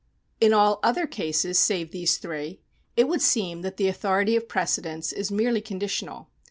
2 In all other cases save these three, it would seem that the authority of precedents is merely conditional.